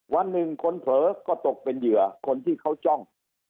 วันหนึ่งคนเผลอก็ตกเป็นเหยื่อคนที่เขาจ้อง